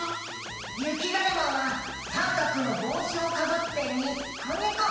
ゆきだるまはさんかくのぼうしをかぶってニッコニコ！